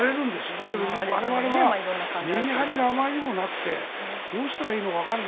でも、我々はメリハリがあまりにもなくてどうしたらいいのかわからず。